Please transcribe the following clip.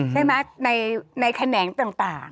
ใช่ไหมในแขนงต่าง